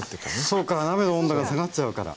そうか鍋の温度が下がっちゃうから。